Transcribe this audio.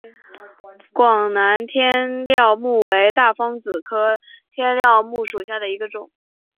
广南天料木为大风子科天料木属下的一个种。